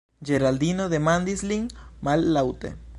Geraldino demandis lin mallaŭte: